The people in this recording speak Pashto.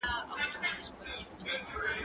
زه پرون بوټونه پاکوم؟!